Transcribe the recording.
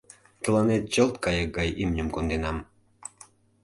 Тыланет чылт кайык гай имньым конденам.